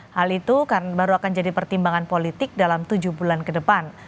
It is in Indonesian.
hal itu baru akan jadi pertimbangan politik dalam tujuh bulan ke depan